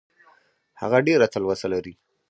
هغه ډېره تلوسه لري .